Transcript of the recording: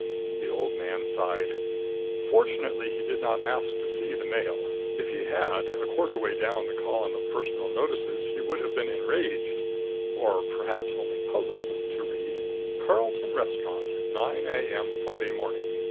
The old man sighed. Fortunately he did not ask to see the Mail. If he had, a quarter way down the column of personal notices he would have been enraged or perhaps only puzzled to read: CARLTON RESTAURANT: Nine A.M. Friday morning.